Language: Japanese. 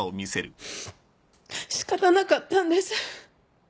仕方なかったんです。